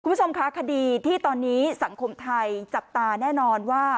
คุณผู้ชมคะคดีที่ตอนนี้สังคมไทยจับตาแน่นอนว่า